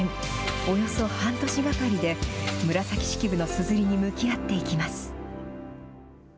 およそ半年がかりで紫式部のすずりに向き合っていきます。